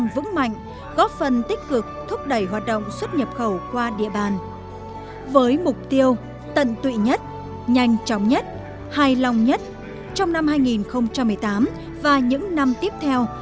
với mục tiêu tận tụy nhất nhanh chóng nhất hài lòng nhất trong năm hai nghìn một mươi tám và những năm tiếp theo